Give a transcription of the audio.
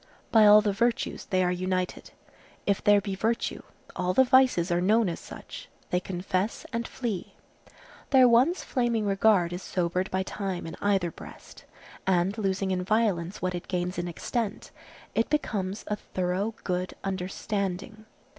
By all the virtues they are united. If there be virtue, all the vices are known as such; they confess and flee. Their once flaming regard is sobered by time in either breast, and losing in violence what it gains in extent, it becomes a thorough good understanding.